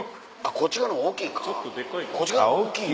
こっち側の方が大きい。